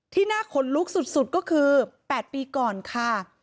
น่าขนลุกสุดก็คือ๘ปีก่อนค่ะ